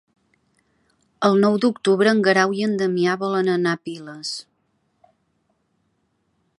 El nou d'octubre en Guerau i en Damià volen anar a Piles.